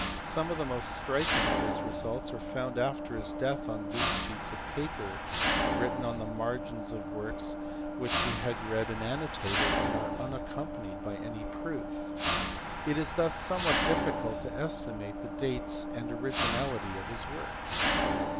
Some of the most striking of his results were found after his death on loose sheets of paper or written in the margins of works which he had read and annotated, and are unaccompanied by any proof. It is thus somewhat difficult to estimate the dates and originality of his work.